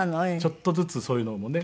ちょっとずつそういうのもね